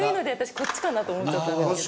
こっちかなと思っちゃったんですけど。